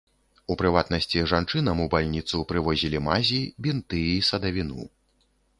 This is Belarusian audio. У прыватнасці, жанчынам у бальніцу прывозілі мазі, бінты і садавіну.